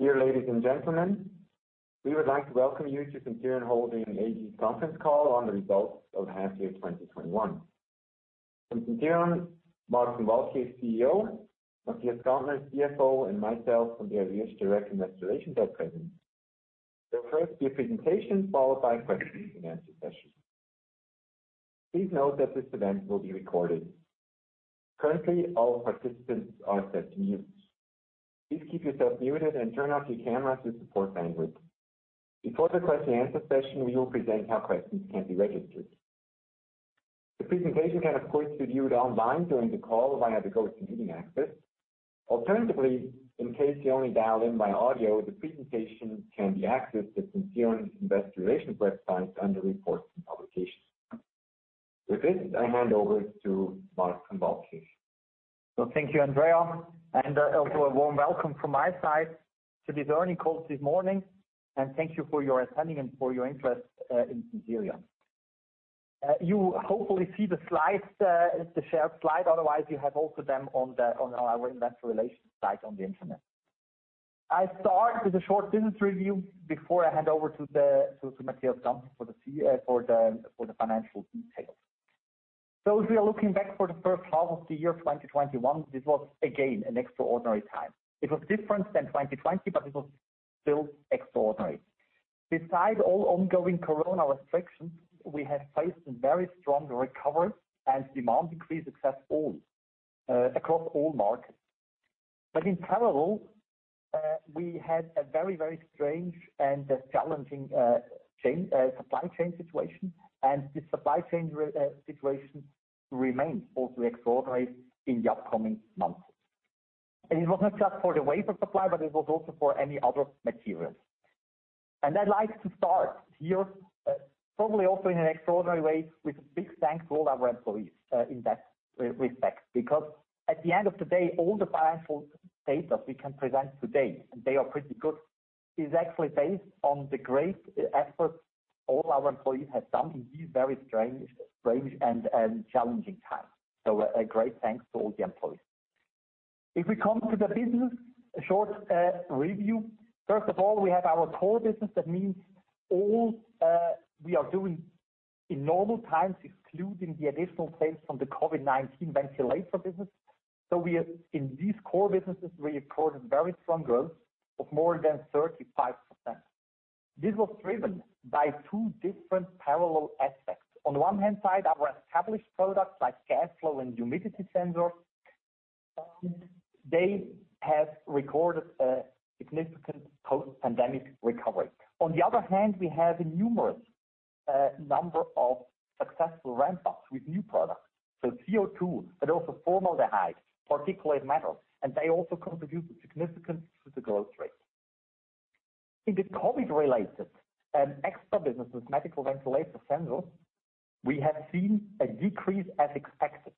Dear ladies and gentlemen, we would like to welcome you to Sensirion Holding AG conference call on the results of half year 2021. From Sensirion, Marc von Waldkirch, CEO, Matthias Gantner, CFO, and myself, Andrea Wüthrich, Director of Investor Relations are present. There will first be a presentation, followed by a question and answer session. Please note that this event will be recorded. Currently, all participants are set to mute. Please keep yourself muted and turn off your camera to support bandwidth. Before the question and answer session, we will present how questions can be registered. The presentation can, of course, be viewed online during the call via the GoToMeeting access. Alternatively, in case you only dialed in by audio, the presentation can be accessed at Sensirion investor relations website under Reports and Publications. With this, I hand over to Marc von Waldkirch. Thank you, Andrea, and also a warm welcome from my side to this earnings call this morning, and thank you for your attending and for your interest in Sensirion. You hopefully see the slides, the shared slide; otherwise, you also have them on our investor relations site on the internet. I start with a short business review before I hand over to Matthias Gantner for the financial details. As we are looking back at the first half of the year 2021, this was again an extraordinary time. It was different than 2020, but it was still extraordinary. Besides all ongoing corona restrictions, we have faced a very strong recovery and demand increase across all markets. In parallel, we had a very strange and challenging supply chain situation, and the supply chain situation will also remain extraordinary in the upcoming months. It was not just for the wafer supply, but it was also for any other materials. I'd like to start here, probably also in an extraordinary way, with a big thanks to all our employees in that respect. At the end of the day, all the financial data we can present today, and they are pretty good, is actually based on the great effort all our employees have done in these very strange and challenging times. A great thanks to all the employees. If we come to the business short review, first of all, we have our core business. That means all we are doing in normal times, excluding the additional sales from the COVID-19 ventilator business. In these core businesses, we recorded very strong growth of more than 35%. This was driven by two different parallel aspects. On one hand side, our established products like gas flow and humidity sensors have recorded a significant post-pandemic recovery. On the other hand, we have a numerous number of successful ramp-ups with new products. CO2, but also formaldehyde and particulate matter, and they also contribute significantly to the growth rate. In the COVID-related and extra businesses, medical ventilator sensors, we have seen a decrease as expected.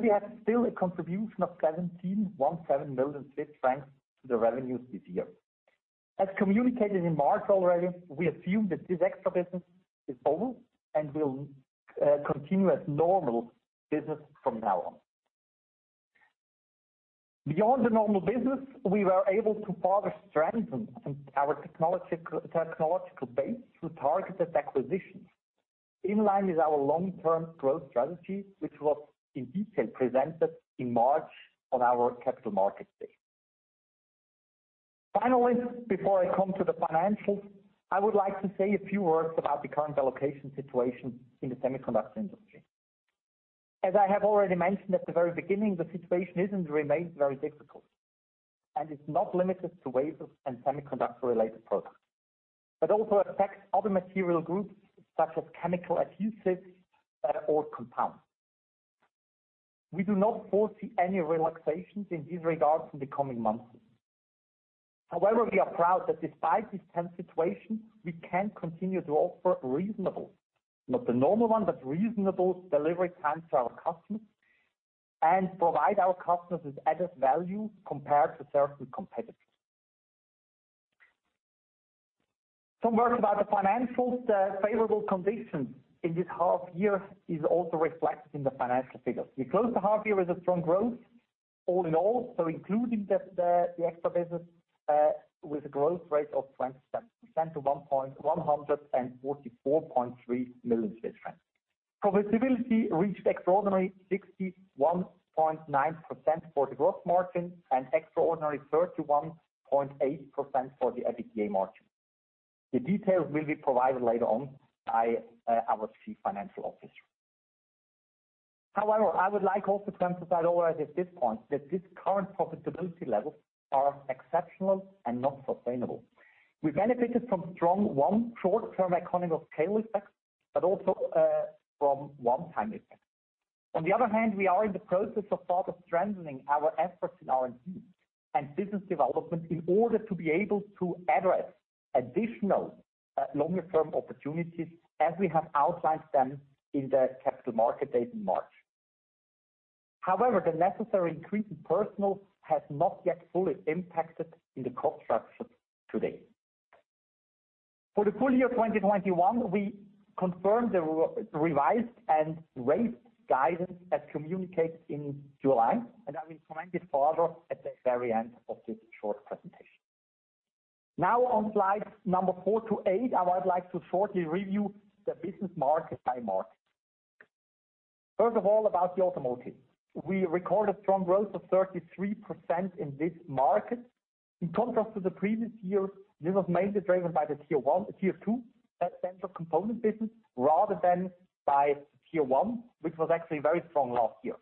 We still have a contribution of 17 million Swiss francs to the revenues this year. As communicated in March already, we assume that this extra business is over and will continue as normal business from now on. Beyond the normal business, we were able to further strengthen our technological base through targeted acquisitions. In line with our long-term growth strategy, which was in detail presented in March on our Capital Markets Day. Finally, before I come to the financials, I would like to say a few words about the current allocation situation in the semiconductor industry. As I have already mentioned at the very beginning, the situation is and remains very difficult. It's not limited to wafers and semiconductor-related products. It also affects other material groups, such as chemical adhesives or compounds. We do not foresee any relaxations in this regard in the coming months. However, we are proud that despite this tense situation, we can continue to offer reasonable, not the normal one, but reasonable delivery times to our customers and provide our customers with added value compared to certain competitors. Some words about the financials. The favorable condition in this half year is also reflected in the financial figures. We closed the half year with a strong growth all in all, including the extra business, with a growth rate of 20% to 144.3 million Swiss francs. Profitability reached an extraordinary 61.9% for the gross margin and an extraordinary 31.8% for the EBITDA margin. The details will be provided later on by our Chief Financial Officer. However, I would like also to emphasize already at this point that these current profitability levels are exceptional and not sustainable. We benefited from strong short-term economy of scale effects, but also from one-time effects. On the other hand, we are in the process of further strengthening our efforts in R&D and business development in order to be able to address additional longer-term opportunities as we have outlined them in the Capital Market Day in March. However, the necessary increase in personnel has not yet fully impacted the cost structure today. For the full year 2021, we confirmed the revised and raised guidance as communicated in July. I will comment on it further at the very end of this short presentation. Now on slides numbers four-eight, I would like to shortly review the business market by market. First of all, about the automotive. We recorded strong growth of 33% in this market. In contrast to the previous years, this was mainly driven by the tier two sensor component business rather than by tier one, which was actually very strong last year.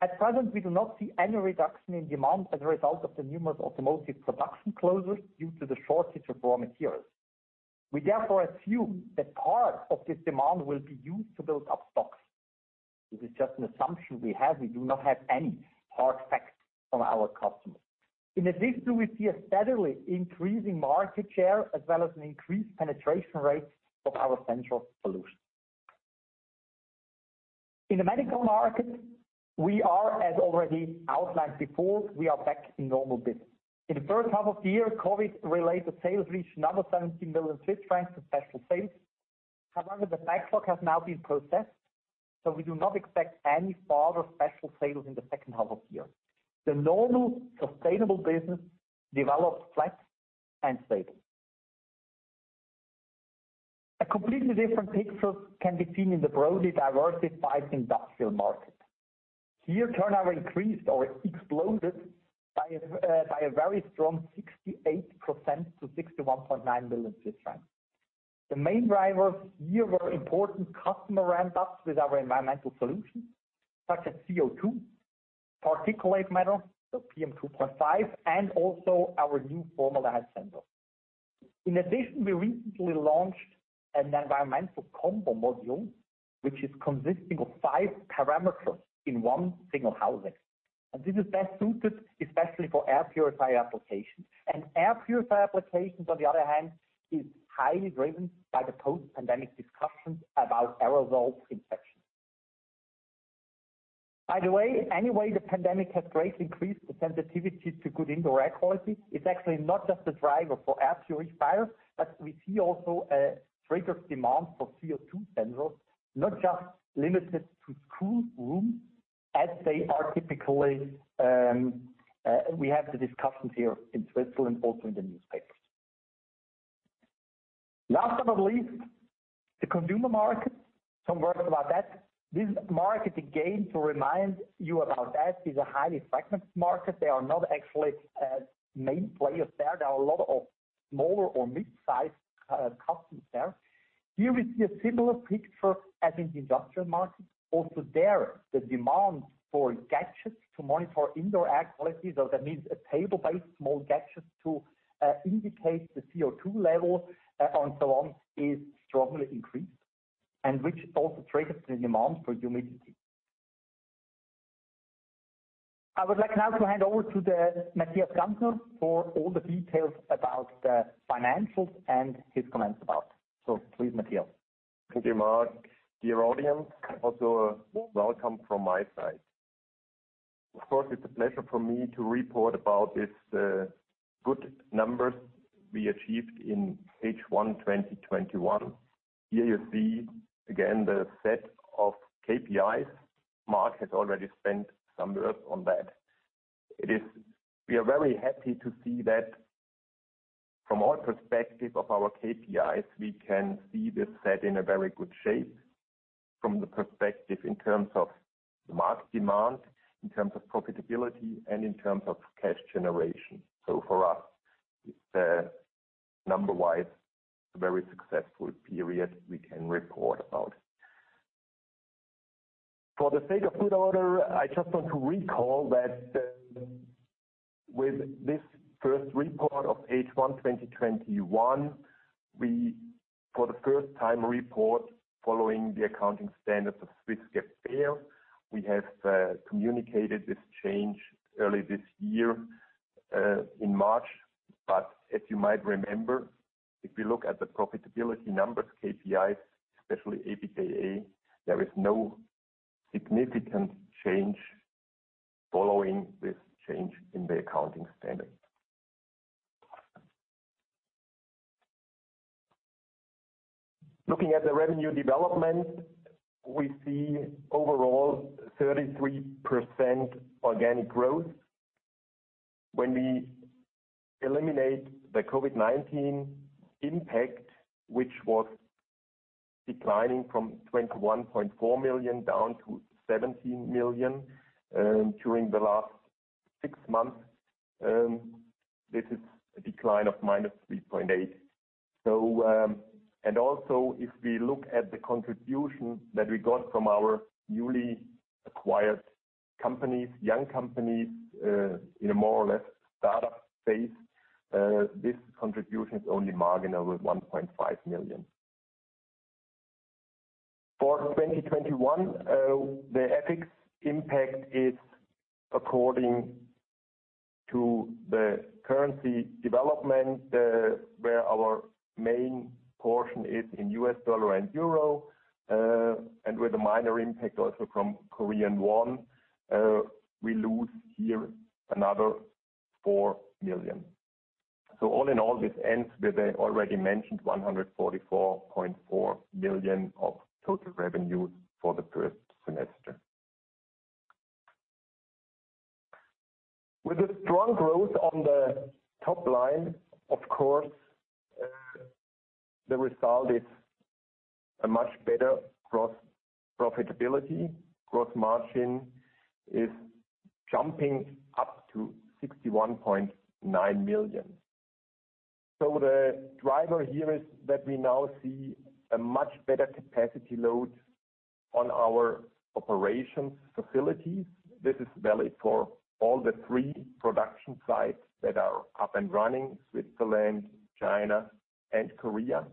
At present, we do not see any reduction in demand as a result of the numerous automotive production closures due to the shortage of raw materials. We therefore assume that part of this demand will be used to build up stocks. This is just an assumption we have. We do not have any hard facts from our customers. We see a steadily increasing market share as well as an increased penetration rate of our sensor solutions. In the medical market, as already outlined before, we are back in normal business. In the first half of the year, COVID-related sales reached another 17 million Swiss francs of special sales. The backlog has now been processed. We do not expect any further special sales in the second half of the year. The normal sustainable business developed flat and stable. A completely different picture can be seen in the broadly diversified industrial market. Here, turnover increased or exploded by a very strong 68% to 61.9 million Swiss francs. The main drivers here were important customer ramp-ups with our environmental solutions, such as CO2, particulate matter (PM 2.5), and also our new formaldehyde sensor. We recently launched an environmental combo module, which consists of 5 parameters in one single housing. This is best suited especially for air purifier applications. Air purifier applications, on the other hand, are highly driven by the post-pandemic discussions about aerosol infection. By the way, anyway, the pandemic has greatly increased the sensitivity to good indoor air quality. It's actually not just a driver for air purifiers, but we also see a triggered demand for CO2 sensors, not just limited to school rooms as they typically are; we have the discussions here in Switzerland also in the newspapers. Last but not least, the consumer market. Some words about that. This market, again, to remind you about that, is a highly fragmented market. They are not actually main players there. There are a lot of smaller or mid-size customers there. Here we see a similar picture as in the industrial market. Also there, the demand for gadgets to monitor indoor air quality, which means a small table-based gadget to indicate the CO2 level and so on, is strongly increased, which also triggers the demand for humidity. I would like now to hand over to Matthias Gantner for all the details about the financials and his comments. Please, Matthias. Thank you, Marc. Dear audience, also, welcome from my side. Of course, it's a pleasure for me to report about these good numbers we achieved in H1 2021. Here you see again the set of KPIs. Marc has already spent some words on that. We are very happy to see that from our perspective of our KPIs, we can see this set in very good shape from the perspective in terms of the market demand, in terms of profitability, and in terms of cash generation. For us, it's a number-wise very successful period we can report about. For the sake of good order, I just want to recall that with this first report of H1 2021, we for the first time report following the accounting standards of Swiss GAAP FER. We have communicated this change early this year, in March. As you might remember, if you look at the profitability numbers, KPIs, especially EBITDA, there is no significant change following this change in the accounting standard. Looking at the revenue development, we see overall 33% organic growth. When we eliminate the COVID-19 impact, which was declining from 21.4 million down to 17 million, during the last six months, this is a decline of -3.8%. Also, if we look at the contribution that we got from our newly acquired companies, young companies in a more or less startup phase, this contribution is only marginal at 1.5 million. For 2021, the FX impact is according to the currency development, where our main portion is in US dollars and euros, with a minor impact also from Korean won; we lose here another 4 million. All in all, this ends with the already mentioned 144.4 million of total revenue for the first semester. With strong growth on the top line, of course, the result is much better gross profitability. Gross margin is jumping up to 61.9 million. The driver here is that we now see a much better capacity load on our operations facilities. This is valid for all three production sites that are up and running: Switzerland, China, and Korea.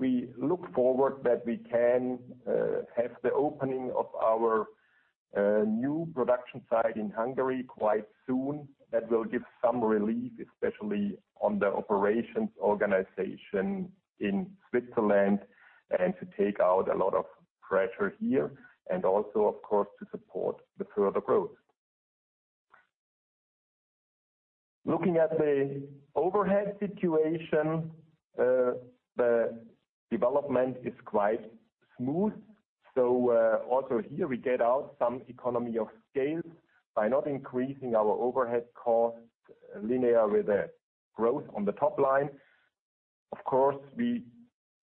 We look forward to having the opening of our new production site in Hungary quite soon. That will give some relief, especially to the operations organization in Switzerland, and take out a lot of pressure here and also, of course, support further growth. Also here we get out some economy of scale by not increasing our overhead costs linearly with the growth on the top line. Of course, we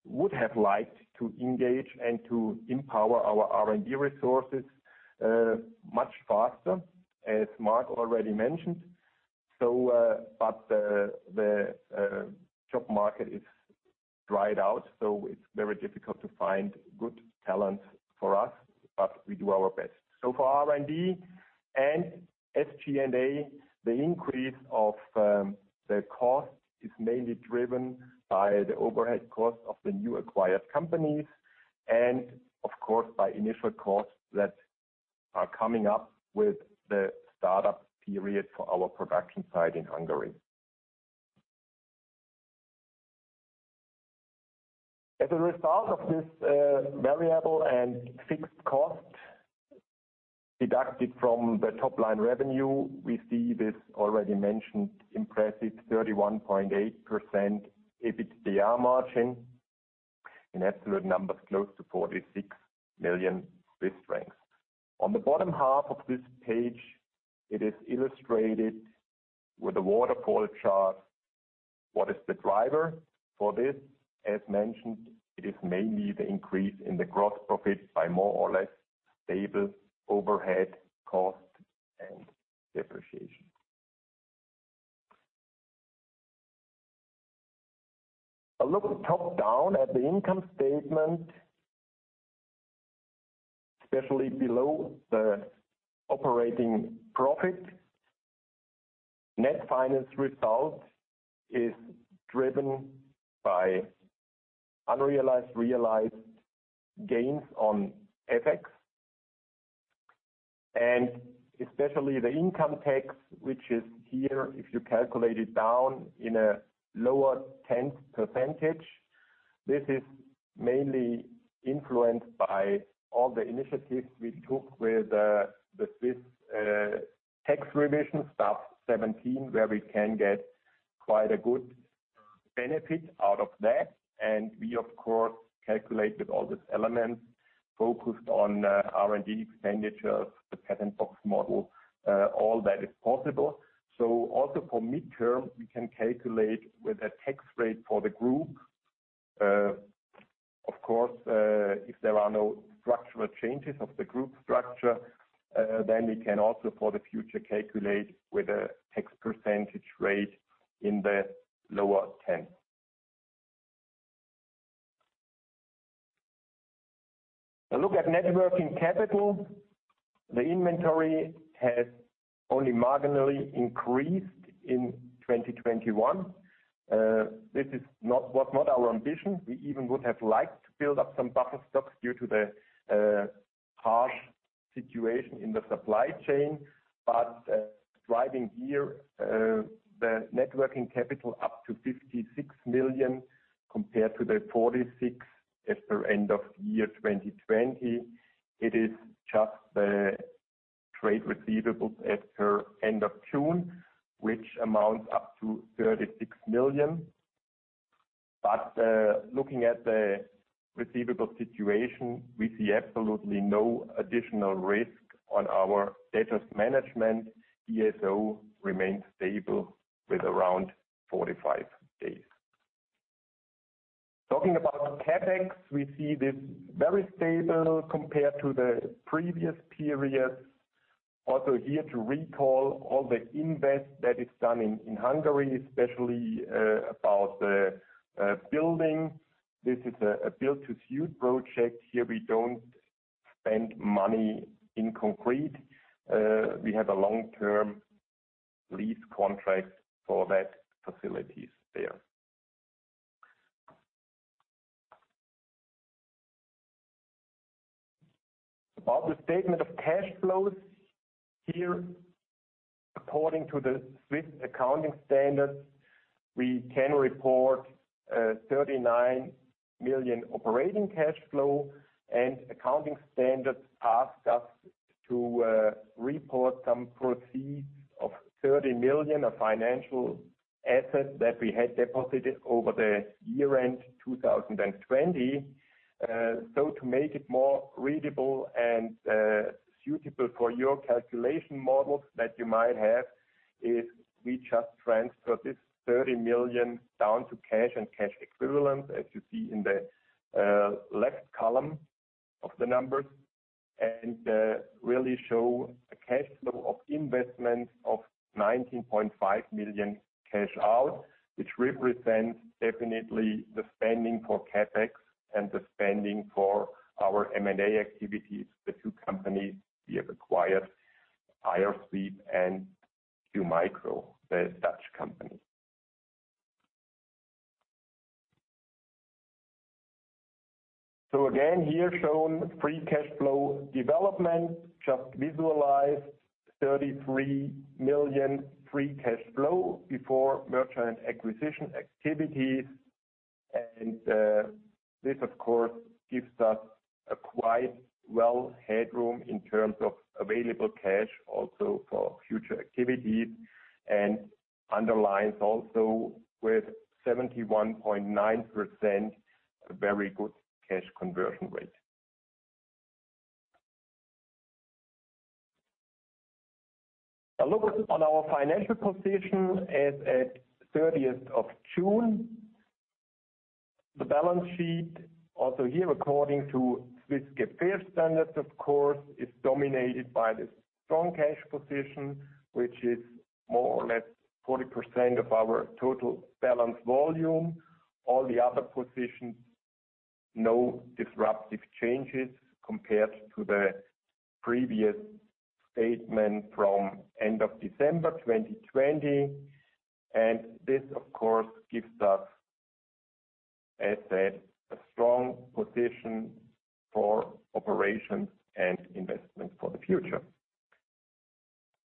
would have liked to engage and to empower our R&D resources much faster, as Marc already mentioned. The job market is dried out, so it's very difficult to find good talent for us, but we do our best. For R&D and SG&A, the increase in cost is mainly driven by the overhead cost of the newly acquired companies and, of course, by initial costs that are coming up with the startup period for our production site in Hungary. As a result of these variable and fixed costs deducted from the top-line revenue, we see this already mentioned impressive 31.8% EBITDA margin in absolute numbers close to 46 million. On the bottom half of this page, it is illustrated with a waterfall chart: what is the driver for this? As mentioned, it is mainly the increase in the gross profit by more or less stable overhead costs and depreciation. A look top-down at the income statement, especially below the operating profit. Net finance results are driven by unrealized and realized gains on FX and especially the income tax, which is here if you calculate it down in a lower 10%. This is mainly influenced by all the initiatives we took with the Swiss tax revision STAF 17, where we can get quite a good benefit out of that. We, of course, calculated all these elements focused on R&D expenditures, the patent box model, and all that is possible. Also for the midterm, we can calculate with a tax rate for the group. If there are no structural changes to the group structure, we can also, for the future, calculate with a tax percentage rate in the lower 10%. A look at net working capital. The inventory has only marginally increased in 2021. This was not our ambition. We even would have liked to build up some buffer stocks due to the harsh situation in the supply chain. Driving here, the net working capital is up to 56 million compared to the 46 million as per end of year 2020. It is just the trade receivables as per end of June, which amounts to 36 million. Looking at the receivable situation, we see absolutely no additional risk in our debtors' management. DSO remains stable with around 45 days. Talking about CapEx, we see this very stable compared to the previous periods. Also here to recall all the investment that is done in Hungary, especially about the building. This is a build-to-suit project. Here we don't spend money on concrete. We have a long-term lease contract for those facilities there. About the statement of cash flows, here according to the Swiss accounting standards, we can report a 39 million operating cash flow, and accounting standards asked us to report some proceeds of 30 million of financial assets that we had deposited over the year-end 2020. To make it more readable and suitable for your calculation models that you might have, we just transfer this 30 million down to cash and cash equivalents, as you see in the left column of the numbers. Really show a cash flow of investment of 19.5 million cash out, which definitely represents the spending for CapEx and the spending for our M&A activities, the two companies we have acquired, IRsweep and Qmicro, the Dutch company. Again, here is shown free cash flow development; just visualize 33 million in free cash flow before merger and acquisition activities. This, of course, gives us quite a bit of headroom in terms of available cash also for future activities and underlines, also with 71.9%, a very good cash conversion rate. A look at our financial position as of the 30th of June. The balance sheet, also here according to Swiss GAAP standards, of course, is dominated by the strong cash position, which is more or less 40% of our total balance volume. All the other positions have no disruptive changes compared to the previous statement from end of December 2020. This, of course, gives us, as said, a strong position for operations and investments for the future.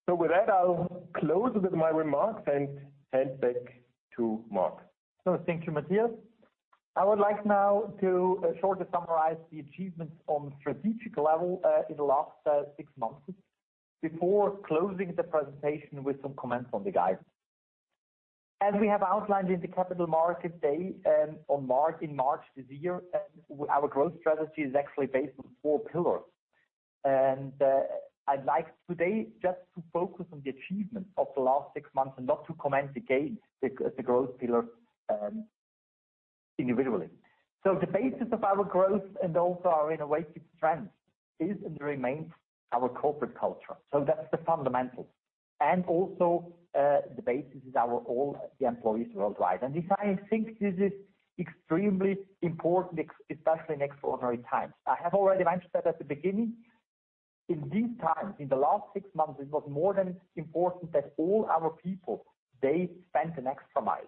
With that, I'll close with my remarks and hand back to Marc. Thank you, Matthias. I would like now to shortly summarize the achievements on a strategic level in the last six months before closing the presentation with some comments on the guidance. As we have outlined in the Capital Market Day in March this year, our growth strategy is actually based on four pillars. I'd like today just to focus on the achievements of the last six months and not to comment again on the growth pillar individually. The basis of our growth and also our innovative strength is and remains our corporate culture. That's the fundamentals. Also, the basis is all our employees worldwide. I think this is extremely important, especially in extraordinary times. I have already mentioned that at the beginning. In these times, in the last six months, it was more than important that all our people, they went an extra mile,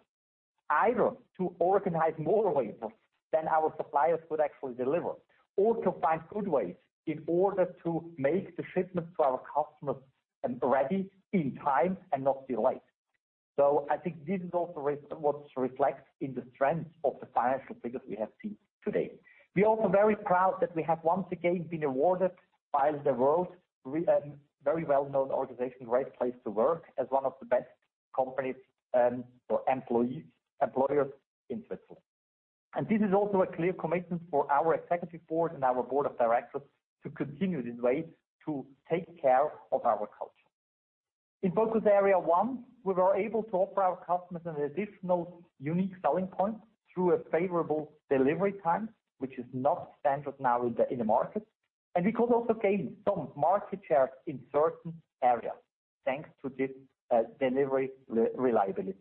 either to organize more wafers than our suppliers could actually deliver, or to find good ways in order to make the shipments to our customers ready in time and not delayed. I think this is also what reflects in the strength of the financial figures we have seen today. We are also very proud that we have once again been awarded by the world-very-well-known organization, Great Place to Work, as one of the best companies for employers in Switzerland. This is also a clear commitment for our executive board and our board of directors to continue this way to take care of our culture. In focus area one, we were able to offer our customers an additional unique selling point through a favorable delivery time, which is not standard now in the market. We could also gain some market share in certain areas thanks to this delivery reliability.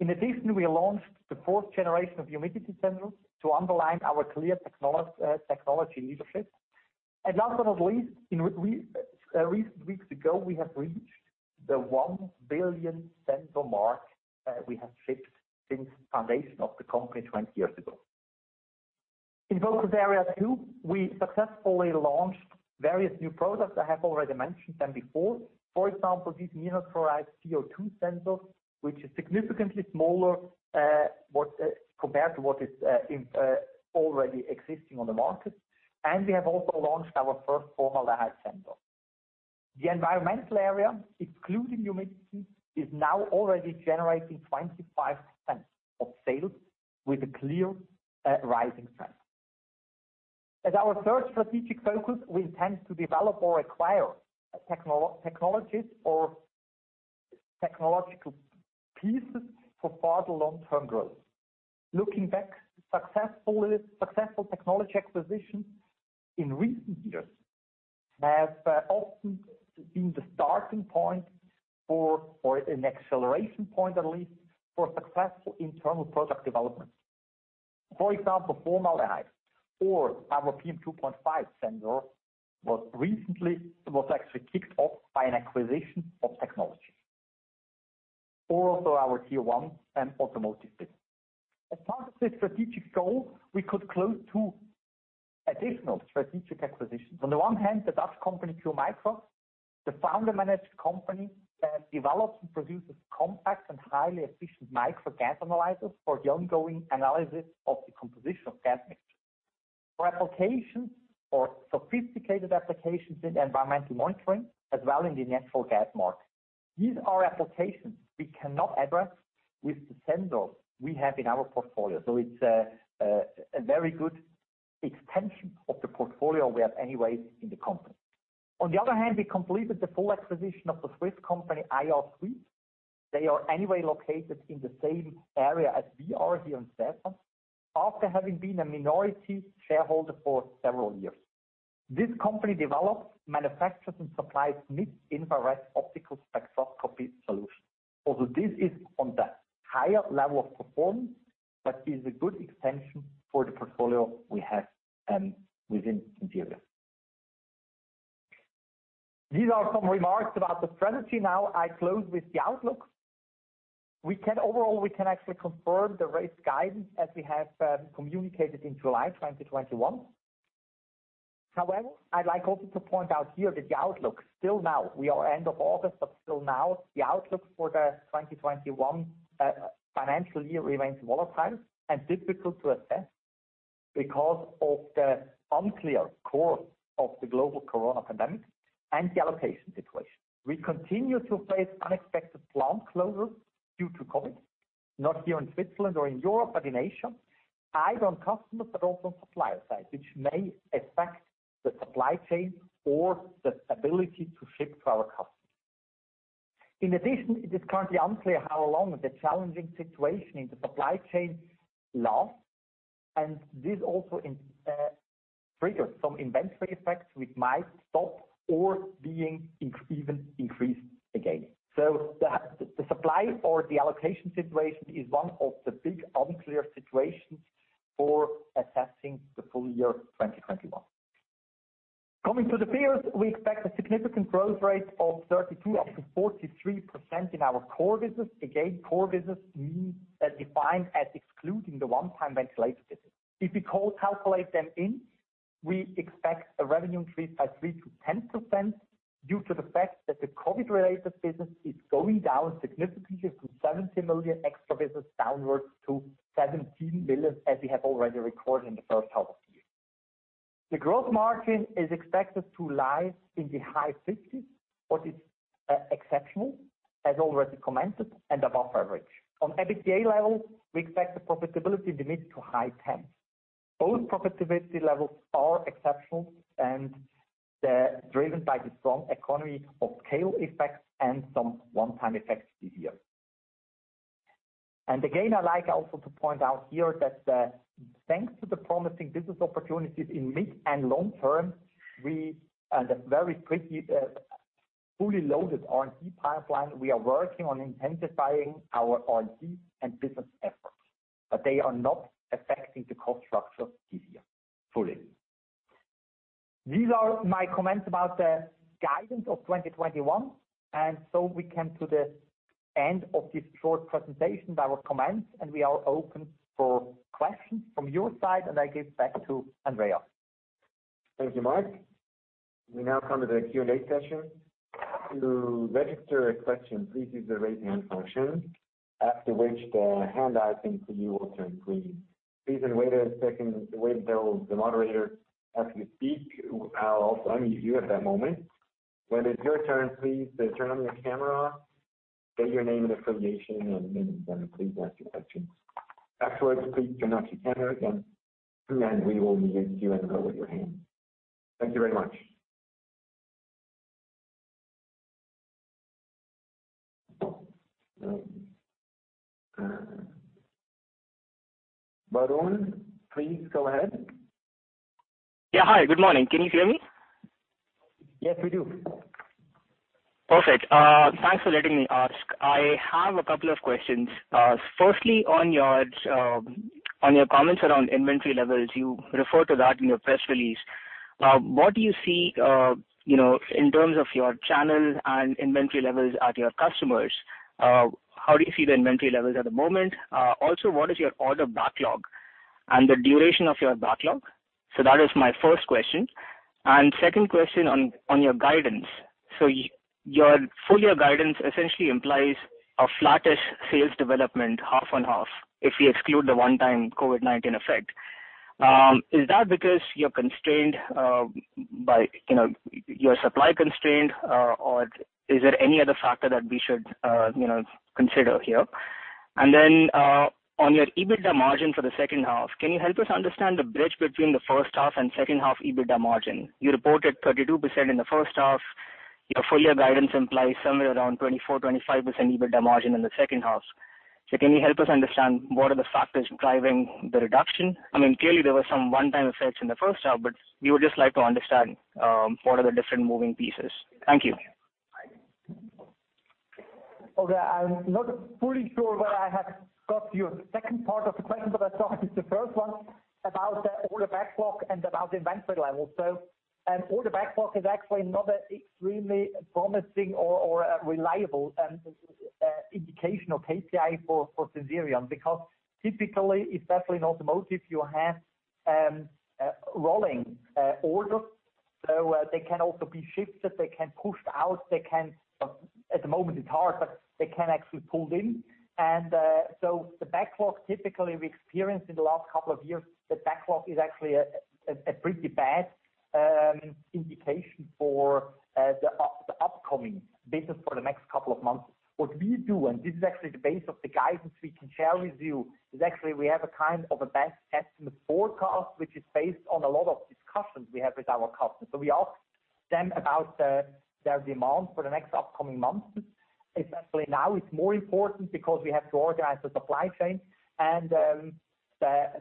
In addition, we launched the fourth generation of humidity sensors to underline our clear technology leadership. Last but not least, recent weeks ago, we reached the 1 billion sensor mark we have shipped since the foundation of the company 20 years ago. In focus area two, we successfully launched various new products. I have already mentioned them before. For example, this miniaturized CO2 sensor, which is significantly smaller compared to what already exists on the market. We have also launched our first formaldehyde sensor. The environmental area, excluding humidity, is now already generating 25% of sales with a clear rising trend. As our third strategic focus, we intend to develop or acquire technologies or technological pieces for further long-term growth. Looking back, successful technology acquisitions in recent years have often been the starting point or an acceleration point, at least, for successful internal product development. For example, formaldehyde or our PM2.5 sensor was actually kicked off by an acquisition of technology. Also, our Tier 1 automotive business. As part of this strategic goal, we could close two additional strategic acquisitions. On the one hand, the Dutch company, Qmicro. The founder-managed company that develops and produces compact and highly efficient micro gas analyzers for the ongoing analysis of the composition of gas mixtures for sophisticated applications in environmental monitoring, as well as in the natural gas market. These are applications we cannot address with the sensors we have in our portfolio. It's a very good extension of the portfolio we have anyway in the company. On the other hand, we completed the full acquisition of the Swiss company IRsweep. They are anyway located in the same area as we are here in Stäfa, after having been minority shareholders for several years. This company develops, manufactures, and supplies mid-infrared optical spectroscopy solutions, although this is on the higher level of performance but is a good extension for the portfolio we have within Sensirion. These are some remarks about the strategy. I close with the outlook. Overall, we can actually confirm the raised guidance as we have communicated in July 2021. However, I'd like also to point out here that the outlook, still now, we are at the end of August, but still now, the outlook for the 2021 financial year remains volatile and difficult to assess because of the unclear course of the global COVID pandemic and the allocation situation. We continue to face unexpected plant closures due to COVID, not here in Switzerland or in Europe, but in Asia, either on customer, but also on supplier side, which may affect the supply chain or the ability to ship to our customers. In addition, it is currently unclear how long the challenging situation in the supply chain lasts, and this also triggers some inventory effects which might stop or being even increased again. The supply or the allocation situation is one of the big unclear situations for assessing the full year 2021. Coming to the period, we expect a significant growth rate of 32%-43% in our core business. Again, core business means as defined as excluding the one-time ventilator business. If we could calculate them in, we expect a revenue increase by 3%-10% due to the fact that the COVID-related business is going down significantly from 70 million extra business downwards to 17 million, as we have already recorded in the first half of the year. The gross margin is expected to lie in the high 50s. What is exceptional, as already commented, is above average. On EBITDA level, we expect the profitability in the mid to high teens. Both profitability levels are exceptional and driven by the strong economy of scale effects and some one-time effects this year. Again, I would also like to point out here that thanks to the promising business opportunities in mid- and long-term and a very pretty, fully loaded R&D pipeline, we are working on intensifying our R&D and business efforts, but they are not affecting the cost structure fully this year. These are my comments about the guidance of 2021. So we come to the end of this short presentation by comments. We are open for questions from your side. I give back to Andrea. Thank you, Marc. We now come to the Q&A session. To register a question, please use the raise hand function, after which the hand that into you; your turn, please. Please wait a second. Wait till the moderator asks you to speak. I'll also unmute you at that moment. When it's your turn, please turn on your camera, state your name and affiliation, and then please ask your questions. Afterwards, please turn off your camera again, and then we will mute you and go with your hand raised. Thank you very much. Varun, please go ahead. Yeah. Hi, good morning. Can you hear me? Yes, we do. Perfect. Thanks for letting me ask. I have a couple of questions. Firstly, on your comments around inventory levels, you refer to that in your press release. What do you see in terms of your channels and inventory levels at your customers'? How do you see the inventory levels at the moment? Also, what is your order backlog and the duration of your backlog? That is my first question. Second question on your guidance. Your full-year guidance essentially implies a flattish sales development half on half if you exclude the one-time COVID-19 effect. Is that because you're constrained by your supply constraint, or is there any other factor that we should consider here? On your EBITDA margin for the second half, can you help us understand the bridge between the first-half and second-half EBITDA margins? You reported 32% in the first half. Your full-year guidance implies somewhere around a 24%-25% EBITDA margin in the second half. Can you help us understand what are the factors driving the reduction? Clearly, there were some one-time effects in the first half, but we would just like to understand what the different moving pieces are. Thank you. Okay. I'm not fully sure whether I have got your second part of the question, but I start with the first one about the order backlog and about inventory levels. Order backlog is actually not an extremely promising or reliable indication of KPI for Sensirion, because typically, especially in automotive, you have rolling orders. They can also be shifted; they can pushed out. At the moment it's hard, but they can actually pull in. The backlog, typically, we experienced in the last couple of years; the backlog is actually a pretty bad indication for the upcoming business for the next couple of months. What we do, and this is actually the base of the guidance we can share with you, is we have a kind of a best-estimate forecast, which is based on a lot of discussions we have with our customers. We ask them about their demand for the next upcoming months. Especially now it's more important because we have to organize the supply chain, and,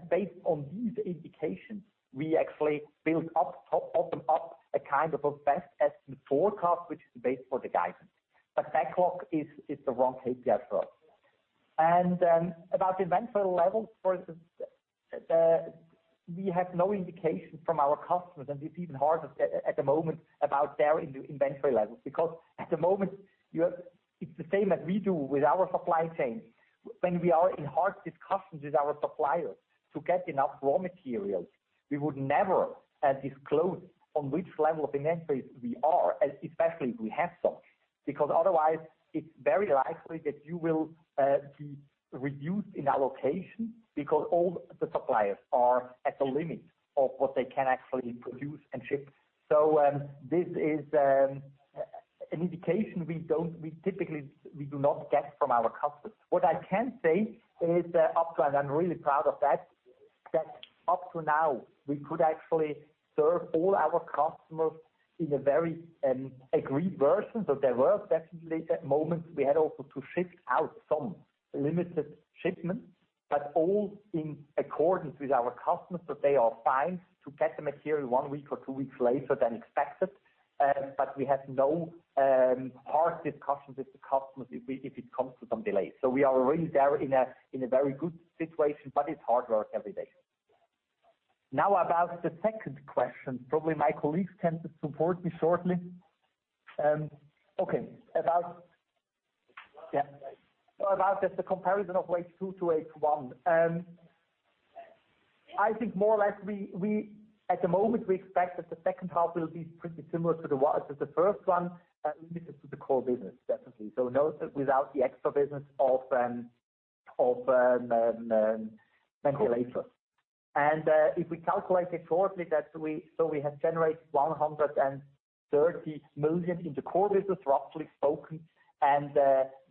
based on these indications, we actually build up, open up a kind of best estimate forecast, which is the base for the guidance. Backlog is the wrong KPI for us. About inventory levels, we have no indication from our customers, and it's even harder at the moment about their inventory levels, because at the moment it's the same as we do with our supply chain. When we are in hard discussions with our suppliers to get enough raw materials, we would never disclose on which level of inventory we are, especially if we have some, because otherwise it's very likely that you will be reduced in allocation because all the suppliers are at the limit of what they can actually produce and ship. This is an indication we typically do not get from our customers. What I can say is that up to, and I'm really proud of that up to now, we could actually serve all our customers in a very agreed version. There were definitely moments we had also to shift out some limited shipments, but all in accordance with our customers, who are fine to get the material one week or two weeks later than expected. We had no hard discussions with the customers if it came to some delays. We are really there in a very good situation, but it's hard work every day. About the second question, probably my colleagues can support me shortly. Okay. About the comparison of H2-H1. I think more or less, at the moment, we expect that the second half will be pretty similar to the first one, limited to the core business, definitely. Note that without the extra business of a ventilator. If we calculate it shortly, we have generated 130 million in the core business, roughly spoken.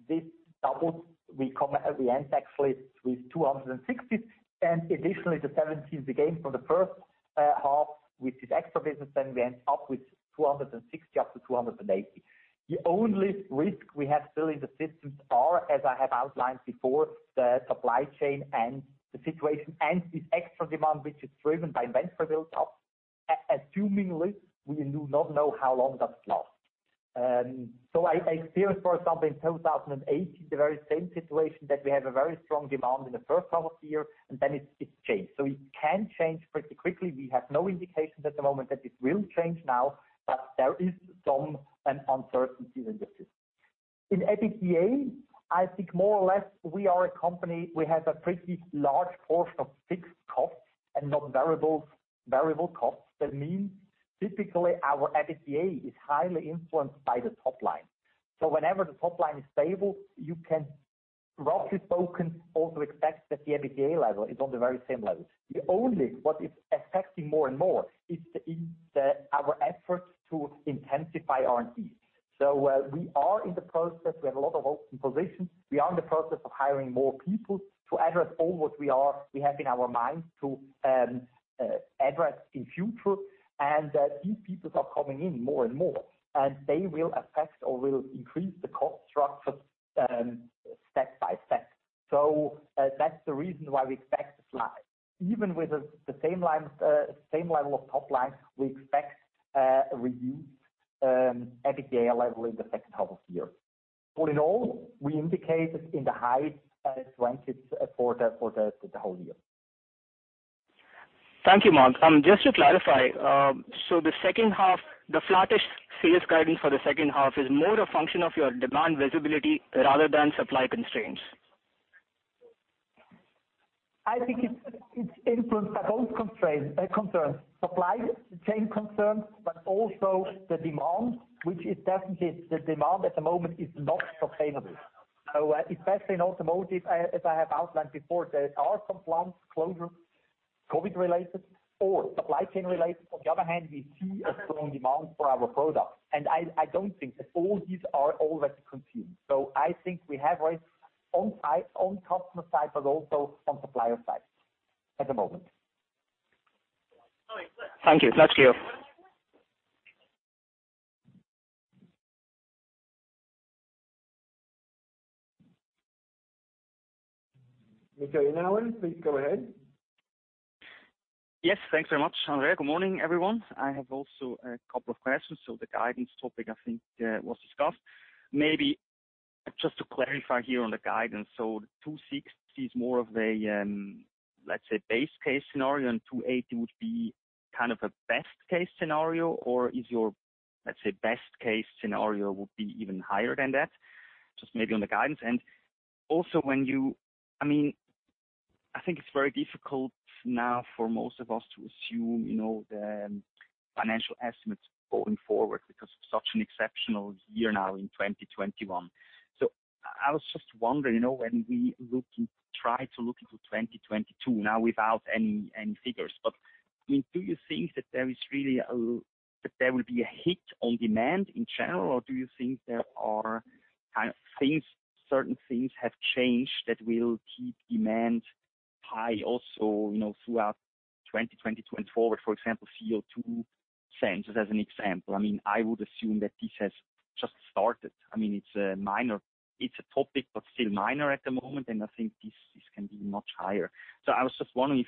This doubles; we end up actually with 260. Additionally, the 17 we gained from the first half with this extra business, and then we end up with 260-280. The only risk we still have in the systems is, as I have outlined before, the supply chain and the situation and this extra demand, which is driven by inventory buildup. Assumingly, we do not know how long that lasts. I experienced, for example, in 2018, the very same situation: we had a very strong demand in the first half of the year, and then it changed. It can change pretty quickly. We have no indications at the moment that it will change now, but there is some uncertainty in the system. In EBITDA, I think more or less we are a company; we have a pretty large portion of fixed costs and not variable costs. That means typically our EBITDA is highly influenced by the top line. Whenever the top line is stable, you can, roughly spoken, also expect that the EBITDA level is on the very same level. The only what is affecting more and more is our efforts to intensify R&D. We are in the process. We have a lot of open positions. We are in the process of hiring more people to address all that we have in our minds to address in future. These people are coming in more and more, and they will affect or will increase the cost structure step by step. That's the reason why we expect to slide. Even with the same level of top line, we expect a reduced EBITDA level in the second half of the year. All in all, we indicate in the high 20s for the whole year. Thank you, Marc. Just to clarify, the flattest sales guidance for the second half is more a function of your demand visibility rather than supply constraints. I think it's influenced by both concerns, supply chain concerns, but also the demand, which is definitely the demand at the moment that is not sustainable. Especially in automotive, as I have outlined before, there are some plant closures, COVID-19-related or supply chain-related. On the other hand, we see a strong demand for our products, and I don't think that all these are already consumed. I think we have risk on the customer side but also on the supplier side at the moment. Thank you. That is clear. Michael Inauer, please go ahead. Yes, thanks very much, Andrea. Good morning, everyone. I have also a couple of questions. The guidance topic I think, was discussed. Maybe just to clarify here on the guidance. The 260 is more of a, let's say, base case scenario, and 280 would be kind of a best-case scenario? Let's say best case scenario would be even higher than that, just maybe on the guidance. Also, I think it's very difficult now for most of us to assume the financial estimates going forward because of such an exceptional year now in 2021. I was just wondering, when we try to look into 2022 now without any figures, but do you think that there will be a hit on demand in general? Do you think certain things have changed that will keep demand high also throughout 2024, for example, CO2 sensors as an example? I would assume that this has just started. It's a topic, but still minor at the moment, and I think this can be much higher. I was just wondering,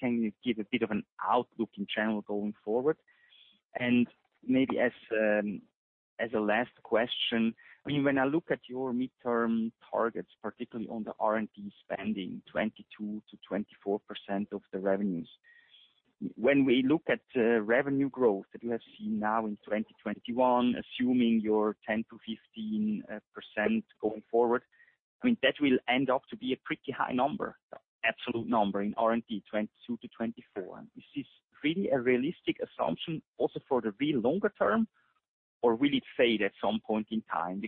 can you give a bit of an outlook in general going forward? Maybe as a last question, when I look at your midterm targets, particularly on the R&D spending, 22%-24% of the revenues. When we look at revenue growth that you have seen now in 2021, assuming your 10%-15% going forward, that will end up to be a pretty high number, absolute number in R&D, 22%-24%. Is this really a realistic assumption also for the real longer term? Will it fade at some point in time?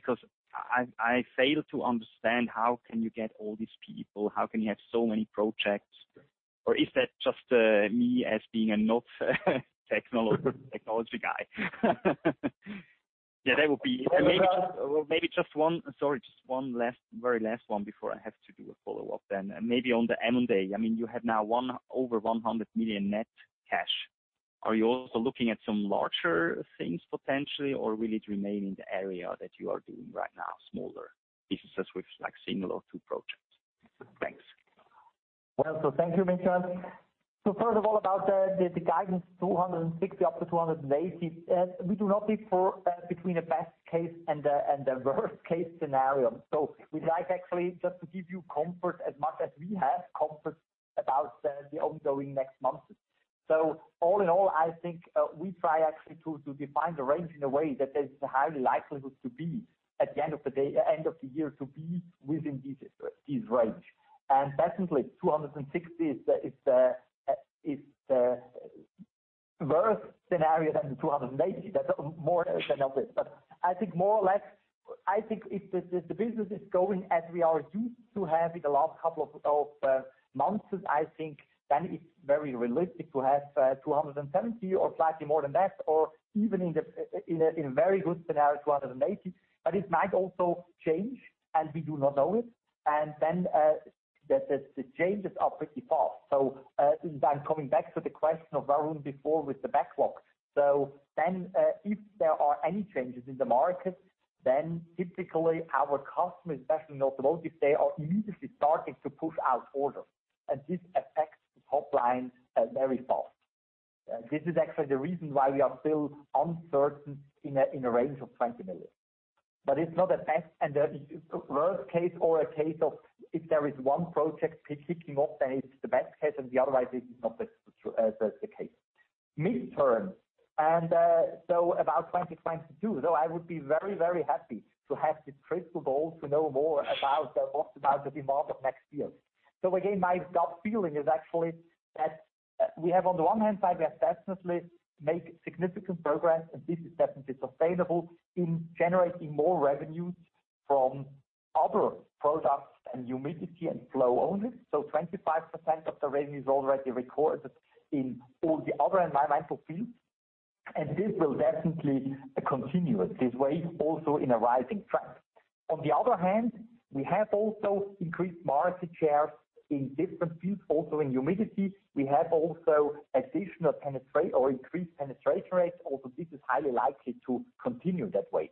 I fail to understand how you can get all these people or how you can have so many projects. Is that just me being a not-technology guy? Maybe just one; sorry, just one very last one before I have to do a follow-up then. Maybe on the M&A. You have now over 100 million net cash. Are you also looking at some larger things potentially, or will it remain in the area that you are doing right now, smaller pieces with a single or two projects? Thanks. Thank you, Michael. First of all, about the guidance of 260-280. We do not differentiate between a best-case and a worst-case scenario. We like actually just to give you comfort as much as we have comfort about the ongoing next months. All in all, I think we try actually to define the range in a way that there is a high likelihood to be, at the end of the year, within this range. Definitely 260 is the worse scenario than 280. That's more than obvious. I think more or less, if the business is going as we are used to having in the last couple of months, I think then it's very realistic to have 270 or slightly more than that, or even in a very good scenario, 280. It might also change, and we do not know it. The changes are pretty fast. I am coming back to the question of Varun before with the backlog. If there are any changes in the market, then typically our customers, especially in automotive, they are immediately starting to push out orders. This affects the top line very fast. This is actually the reason why we are still uncertain in a range of 20 million. It is not a best and the worst case or a case of if there is one project picking up, then it is the best case and otherwise it is not the case. About 2022, though I would be very happy to have this crystal ball to know more about the demand of next year. Again, my gut feeling is actually that we have, on the one hand side, we have definitely made significant progress, and this is definitely sustainable in generating more revenues from other products than humidity and flow only. 25% of the revenue is already recorded in all the other environmental fields, and this will definitely continue this way, also in a rising trend. On the other hand, we have also increased market shares in different fields, including humidity. We have also increased penetration rates, although this is highly likely to continue that way.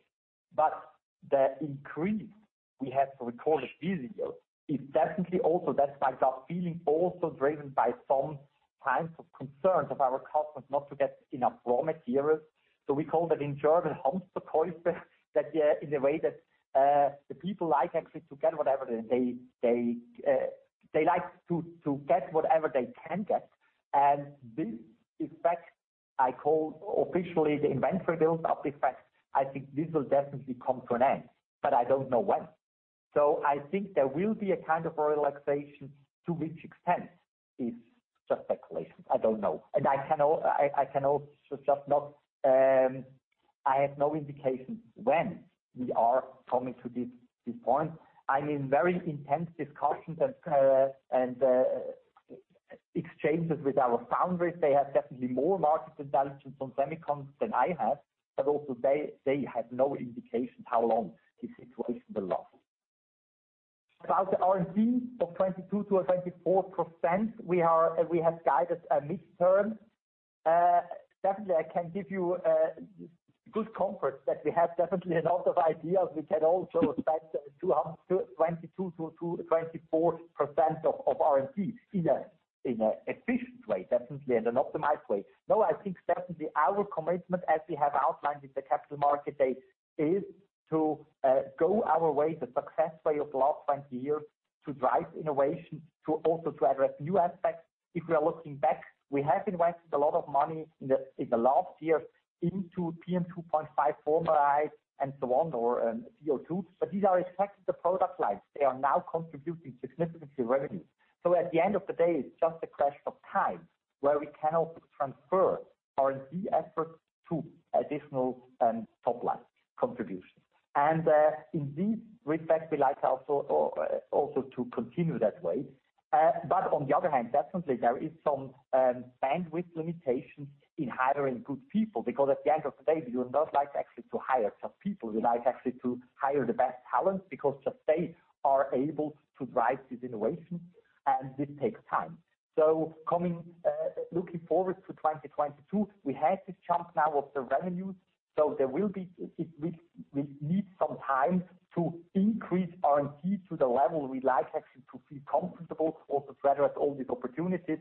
The increase we have recorded this year is definitely also, that's my gut feeling, also driven by some kinds of concerns of our customers not to get enough raw materials. We call that in German, in a way that the people like, actually to get whatever they can get. This effect I officially call the inventory buildup effect. I think this will definitely come to an end, but I don't know when. I think there will be a kind of relaxation. To which extent is just speculation? I don't know. I have no indication when we are coming to this point. I'm in very intense discussions and exchanges with our founders. They definitely have more market intelligence on semiconductors than I have, but also they have no indication how long this situation will last. About the R&D of 22%-24%, I can give you good comfort that we definitely have a lot of ideas. We can also spend 22%-24% of R&D in an efficient way, definitely, and an optimized way. I think definitely our commitment, as we have outlined in the Capital Market Day, is to go our way, the successful way of the last 20 years, to drive innovation and to also address new aspects. If we are looking back, we have invested a lot of money in the last years into PM2.5, formaldehyde, and so on, or CO2. These are effective product lines. They are now contributing significantly revenue. At the end of the day, it's just a question of time where we can also transfer R&D efforts to additional top-line contributions. In this respect, we like to continue that way. On the other hand, definitely, there are some bandwidth limitations in hiring good people, because at the end of the day, you would not like to actually hire just people. You like, actually, to hire the best talent because they are just able to drive these innovations, and this takes time. Looking forward to 2022, we have this jump now in the revenues. We need some time to increase R&D to the level we like actually to feel comfortable, also to address all these opportunities,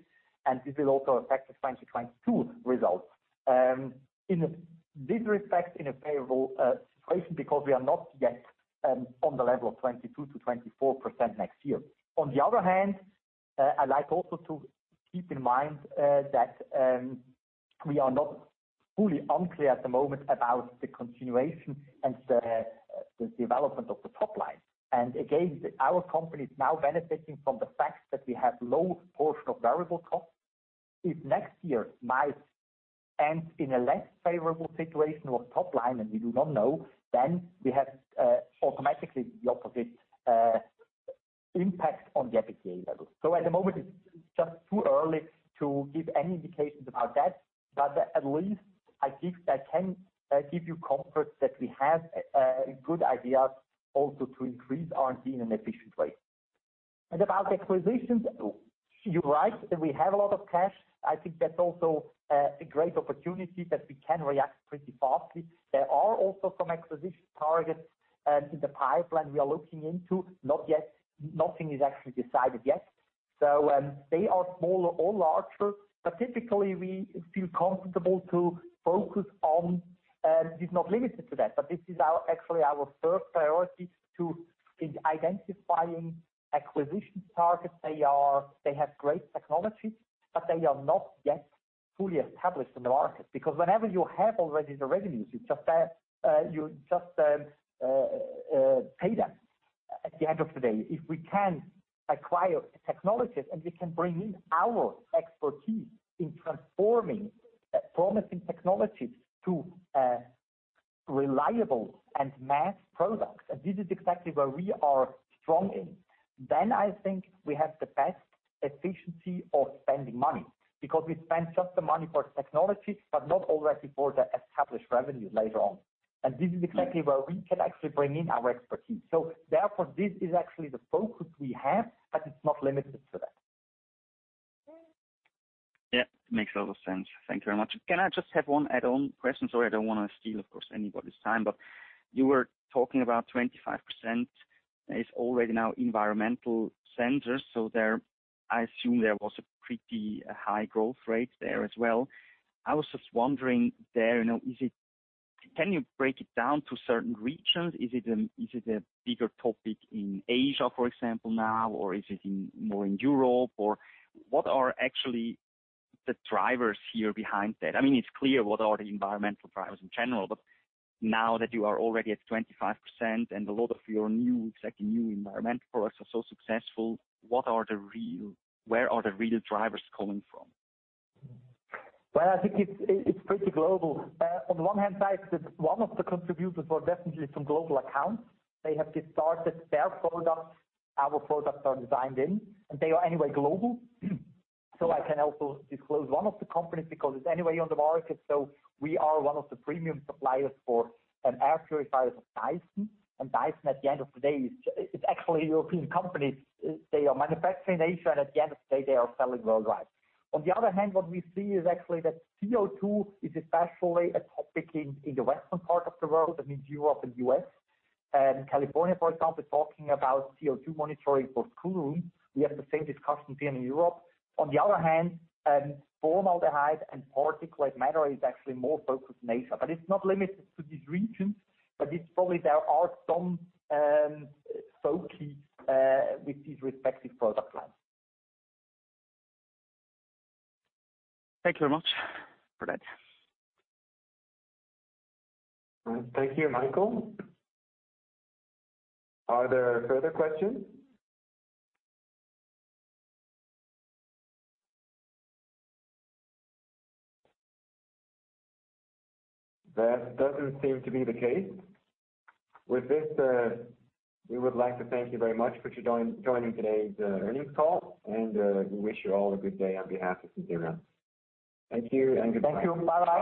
and this will also affect the 2022 results. In this respect, in a favorable situation because we are not yet on the level of 22%-24% next year. On the other hand, I like also to keep in mind that we are not fully unclear at the moment about the continuation and the development of the top line. Again, our company is now benefiting from the fact that we have a low portion of variable costs. If next year might end in a less favorable situation for the top line, and we do not know, then we have automatically the opposite impact on the EBITDA level. At the moment, it's just too early to give any indications about that, but at least I think I can give you comfort that we have good ideas also to increase R&D in an efficient way. About acquisitions, you're right, we have a lot of cash. I think that's also a great opportunity; we can react pretty fast. There are also some acquisition targets in the pipeline we are looking into. Nothing is actually decided yet. They are smaller or larger, but typically we feel comfortable focusing on them. This is not limited to that. This is actually our first priority to, in identifying acquisition targets, they have great technology, but they are not yet fully established in the market. Whenever you already have the revenues, you just pay that at the end of the day. If we can acquire technologies and we can bring in our expertise in transforming promising technologies to reliable mass products, and this is exactly where we are strong, then I think we have the best efficiency of spending money, because we spend just the money for technology but not already for the established revenue later on. This is exactly where we can actually bring in our expertise. Therefore, this is actually the focus we have, but it's not limited to that. Yeah, makes a lot of sense. Thank you very much. Can I just have one add-on question? Sorry, I don't want to steal, of course, anybody's time, but you were talking about 25% already now environmental sensors. I assume there was a pretty high growth rate there as well. I was just wondering there, can you break it down into certain regions? Is it a bigger topic in Asia, for example, now, or is it more in Europe? What are actually the drivers here behind that? It's clear what the environmental drivers are in general, but now that you are already at 25% and a lot of your exactly new environmental products are so successful, where are the real drivers coming from? Well, I think it's pretty global. On the one hand, one of the contributors was definitely some global account. They have just started their products; our products are designed in, and they are global anyway. I can also disclose one of the companies because it's anyway on the market. We are one of the premium suppliers for an air purifier of Dyson. Dyson, at the end of the day, it's actually a European company. They are manufacturing in Asia, and at the end of the day, they are selling worldwide. On the other hand, what we see is actually that CO2 is especially a topic in the western part of the world; that means Europe and U.S. California, for example, is talking about CO2 monitoring for school rooms. We have the same discussion here in Europe. On the other hand, formaldehyde and particulate matter are actually more focused in Asia. It's not limited to these regions, but it's probable there are some foci with these respective product lines. Thank you very much for that. Thank you, Michael. Are there further questions? That doesn't seem to be the case. With this, we would like to thank you very much for joining today's earnings call, and we wish you all a good day on behalf of Sensirion. Thank you and goodbye. Thank you. Bye-bye.